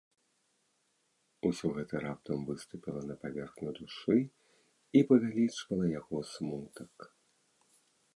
Усё гэта раптам выступіла на паверхню душы і павялічвала яго смутак.